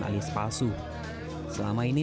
yang diendorsi oleh penyidik